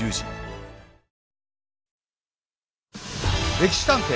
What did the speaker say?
「歴史探偵」。